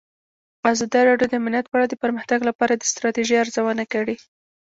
ازادي راډیو د امنیت په اړه د پرمختګ لپاره د ستراتیژۍ ارزونه کړې.